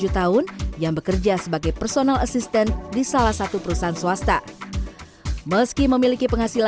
tujuh tahun yang bekerja sebagai personal assistant di salah satu perusahaan swasta meski memiliki penghasilan